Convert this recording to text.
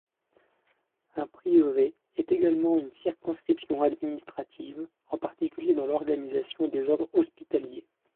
Un prieuré est également une circonscription administrative, en particulier dans l'organisation des ordres hospitaliers.